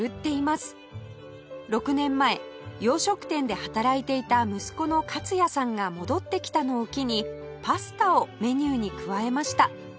６年前洋食店で働いていた息子の克也さんが戻ってきたのを機にパスタをメニューに加えました